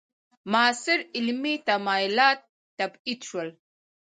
معاصر علمي تمایلات تبعید شول.